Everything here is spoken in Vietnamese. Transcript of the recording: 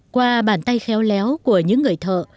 qua bàn tay khéo léo của những người thợ